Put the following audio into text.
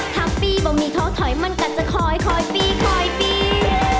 ถ้าปีบ่มีท้อถอยมันก็จะคอยปีคอยปี